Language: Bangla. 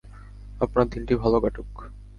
আপনার দিনটি ভালো কাটুক।